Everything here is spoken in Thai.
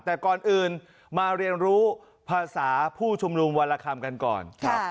แต่ก่อนอื่นมาเรียนรู้ภาษาผู้ชุมนุมวันละคำกันก่อน